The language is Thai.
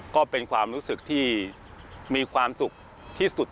ก็เป็นความรู้สึกที่มีความสุขที่สุด